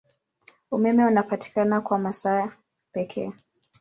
Umeme unapatikana kwa masaa pekee.